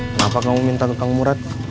kenapa kamu minta ke kang murad